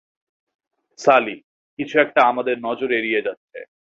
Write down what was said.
সালি, কিছু একটা আমাদের নজর এড়িয়ে যাচ্ছে।